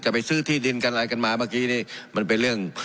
ไปซื้อที่ดินกันอะไรกันมาเมื่อกี้นี่มันเป็นเรื่อง